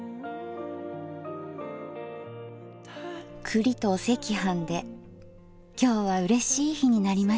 栗とお赤飯で今日はうれしい日になりました。